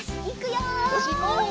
よしいこう！